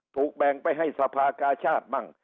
ถูกแบ่งไปให้สภากาชาติมั่ง